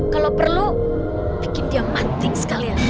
kalau perlu bikin dia mantik sekali ya